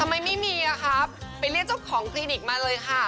ไม่มีอะครับไปเรียกเจ้าของคลินิกมาเลยค่ะ